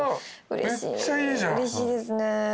うれしいですね。